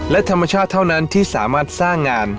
และธรรมชาติเท่านั้นที่สามารถสร้างงาน